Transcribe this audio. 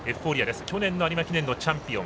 去年の有馬記念のチャンピオン。